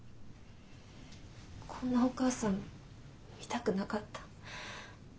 こんなお母さん見たくなかった。